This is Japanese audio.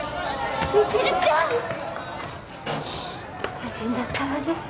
大変だったわね